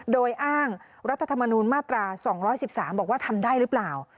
โดยอ้างรัฐธรรมนูญมาตรา๒๑๓บอกว่าทำได้หรือเปล่า